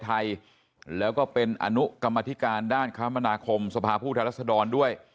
ไทยแล้วก็เป็นอนุกรรมธิการด้านคมนาคมสภาพผู้แทนรัศดรด้วย